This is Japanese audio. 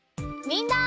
みんな！